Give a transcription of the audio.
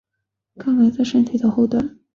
肛门在身体的后端。